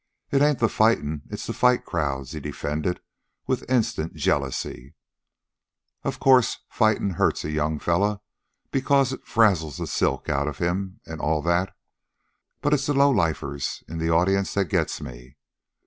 "It ain't the fightin', it's the fight crowds," he defended with instant jealousy. "Of course, fightin' hurts a young fellow because it frazzles the silk outa him an' all that. But it's the low lifers in the audience that gets me.